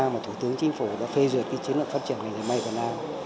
mà thủ tướng chính phủ đã phê duyệt chế năng phát triển đẹp nay thế này